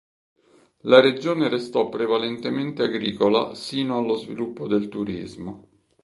La regione restò prevalentemente agricola sino allo sviluppo del turismo.